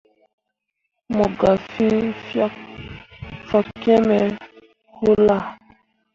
Mo gah fie fakyẽmme wullah.